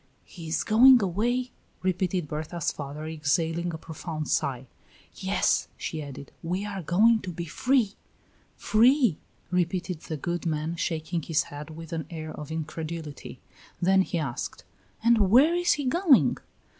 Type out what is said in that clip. "He is going away!" repeated Berta's father, exhaling a profound sigh. "Yes," she added; "we are going to be free." "Free!" repeated the good man, shaking his head with an air of incredulity. Then he asked: "And where is he going?"